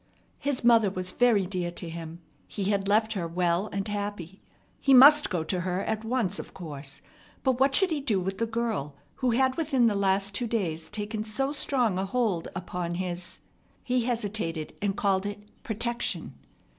His mother was very dear to him. He had left her well and happy. He must go to her at once, of course; but what should he do with the girl who had within the last two days taken so strong a hold upon his he hesitated, and called it "protection."